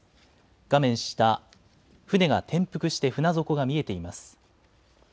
画面下、船が転覆して船底が見えています。